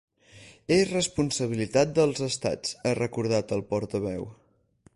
“És responsabilitat dels estats”, ha recordat el portaveu.